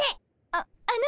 あっあの。